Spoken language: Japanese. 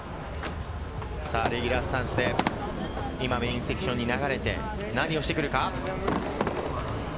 レギュラースタンスで、今、メインセクションに流れて、何をしてくるか。